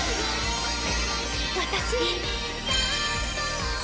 私。